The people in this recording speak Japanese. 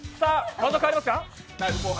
場所変わりますか？